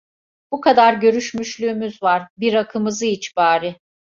Bu kadar görüşmüşlüğümüz var, bir rakımızı iç bari…